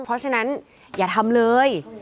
เพราะฉะนั้นอย่าทำเลย